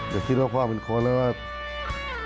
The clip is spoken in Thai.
อย่าคิดว่าพ่อเป็นคนแล้วว่า